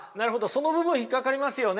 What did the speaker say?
その部分引っ掛かりますよね。